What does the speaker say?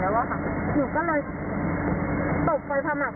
คล้ายอ่ะแหละหนูก็ด้านฝั่งนี้เสร็จทำอะไรไม่ได้